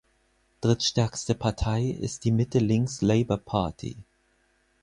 Drittstärkste Partei ist die Mitte-links-Labour-Party.